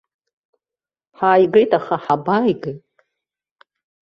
Ҳааигеит, аха ҳабааигеи.